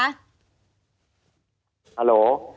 ฮัลโหล